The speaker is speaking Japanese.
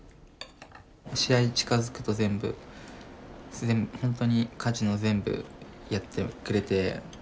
試合近づくと全部ほんとに家事も全部やってくれて。